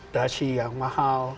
dasi yang mahal